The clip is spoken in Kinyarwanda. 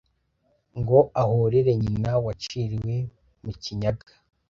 ngo ahorere nyina waciriwe mu Kinyaga.